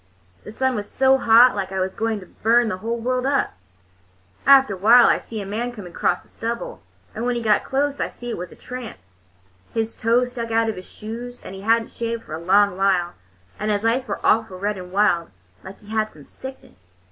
The sun was so hot like it was going to burn the world up. After a while I see a man coming across the stubble, and when he got close I see it was a tramp. His toes stuck out of his shoes, and he had n't shaved for a long while, and his eyes was awful red and wild, like he had some sickness.